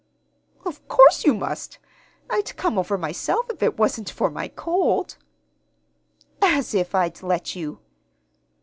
"Of course you must! I'd come over myself if it wasn't for my cold." "As if I'd let you!"